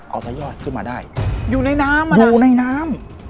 เอาตะยอดขึ้นมาได้อยู่ในน้ำอยู่ในน้ำ